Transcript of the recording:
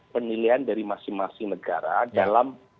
penilaian dari masing masing negara dalam